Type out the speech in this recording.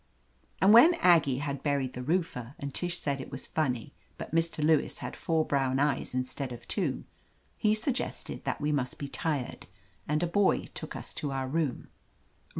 And when Aggie had buried the roofer, and Tish said it was funny, but Mr. Lewis had four brown eyes instead of two, he suggested that we must be tired, and a boy took us to our room.